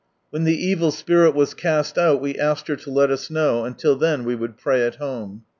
When the evil spirit was cast out, we asked her to let us know, until then we would pray at home.